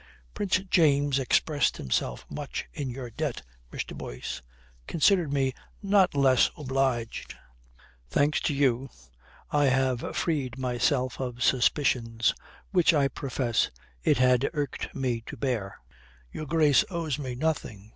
"Prince James expressed himself much in your debt, Mr. Boyce. Consider me not less obliged. Thanks to you, I have freed myself of suspicions which I profess it had irked me to bear." "Your Grace owes me nothing.